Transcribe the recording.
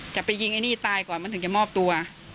จะไปยิงไอ้นี่ตายก่อนมันถึงจะมอบตัว